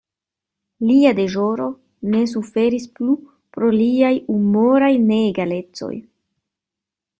Lia deĵoro ne suferis plu pro liaj humoraj neegalecoj.